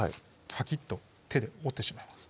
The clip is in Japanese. パキッと手で折ってしまいます